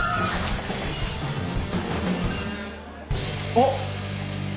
あっ。